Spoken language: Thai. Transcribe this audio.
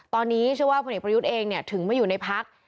ตอนนี้เชื่อว่าพลเอกประยุทธ์เองถึงมาอยู่ในพัก